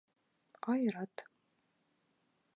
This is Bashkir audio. Айрат.